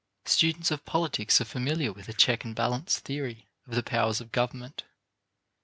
Students of politics are familiar with a check and balance theory of the powers of government.